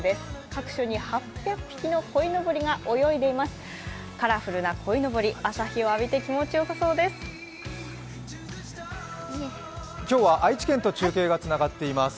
各所に８００匹のこいのぼりが泳いでいます。